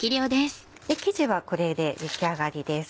生地はこれで出来上がりです。